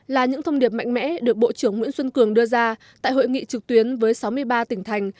là những thông điệp mạnh mẽ được bộ trưởng nguyễn xuân cường đưa ra tại hội nghị trực tuyến với sáu mươi ba tỉnh thành